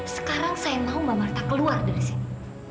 sekarang saya mau mbak marta keluar dari sini